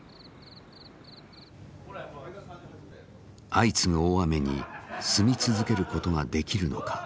相次ぐ大雨に住み続けることができるのか。